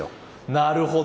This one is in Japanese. なるほど。